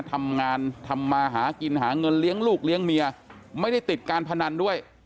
ทำงานทำมาหากินหาเงินเลี้ยงลูกเลี้ยงเมียไม่ได้ติดการพนันด้วย